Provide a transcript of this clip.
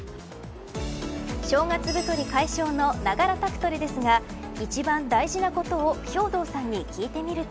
正月太り解消のながら宅トレですが一番大事なことを兵藤さんに聞いてみると。